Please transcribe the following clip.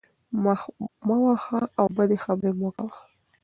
مخ مه وهه او بدې خبرې مه کوه.